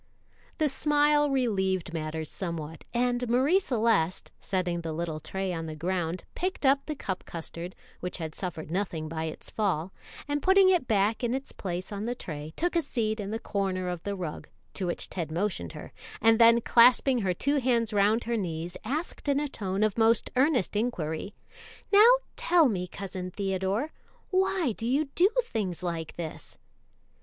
The smile relieved matters somewhat, and Marie Celeste, setting the little tray on the ground, picked up the cup custard, which had suffered nothing by its fall, and putting it back in its place on the tray, took a seat in the corner of the rug, to which Ted motioned her, and then clasping her two hands round her knees, asked in a tone of most earnest inquiry, "Now tell me, Cousin Theodore, why do you do things like this?"